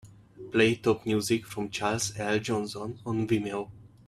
Play top music from Charles L. Johnson on vimeo